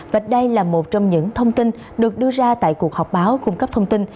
và đây là một trong những thông tin được đưa ra tại cuộc họp báo cung cấp thông tin